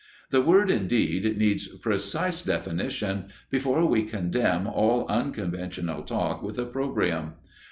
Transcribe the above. The word, indeed, needs precise definition, before we condemn all unconventional talk with opprobrium.